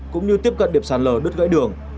cũng như tiếp cận điểm sạt lở đứt gãy đường